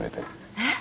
えっ。